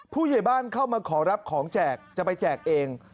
ผู้ใหญ่บ้านเข้ามาขอรับของแจกจะไปแจกเอง